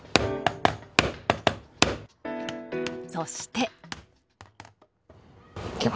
そして。